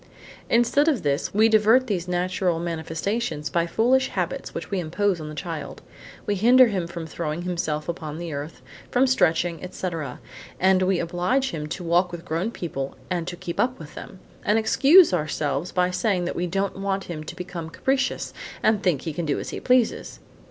Instead of this, we divert these natural manifestations by foolish habits which we impose on the child. We hinder him from throwing himself on the earth, from stretching, etc., and we oblige him to walk with grown people and to keep up with them; and excuse ourselves by saying that we don't want him to become capricious and think he can do as he pleases!